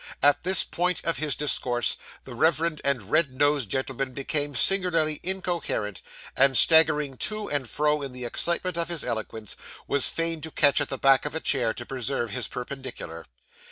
At this point of his discourse, the reverend and red nosed gentleman became singularly incoherent, and staggering to and fro in the excitement of his eloquence, was fain to catch at the back of a chair to preserve his perpendicular.